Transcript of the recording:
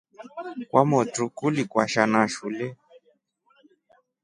Kwamotru kuli kwasha na shule.